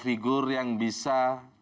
figur yang bisa